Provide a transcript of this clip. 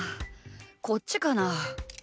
こっちかな？